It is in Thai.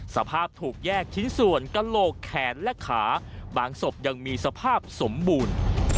สภาพถูกแยกชิ้นส่วนกระโหลกแขนและขาบางศพยังมีสภาพสมบูรณ์